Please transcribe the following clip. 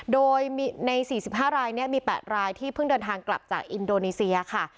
โดยใน๔๕รายมี๘รายที่เพิ่งเดินทางกลับจากอินโดนีเซียค่ะ